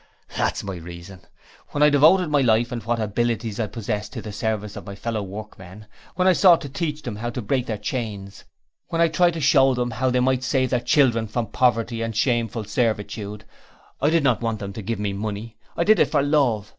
'That is my reason. When I devoted my life and what abilities I possess to the service of my fellow workmen; when I sought to teach them how to break their chains; when I tried to show them how they might save their children from poverty and shameful servitude, I did not want them to give me money. I did it for love.